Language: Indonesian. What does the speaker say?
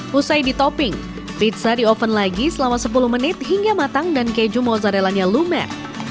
pusai ditopping pizza dioven lagi selama sepuluh menit hingga matang dan keju mozzarellanya lumer